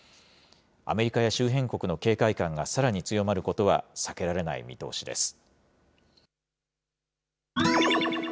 アメリカや周辺国の警戒感が、さらに強まることは避けられない見通しです。